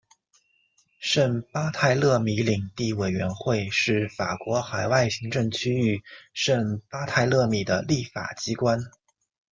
圣巴泰勒米领地委员会是法国海外行政区域圣巴泰勒米的立法机关。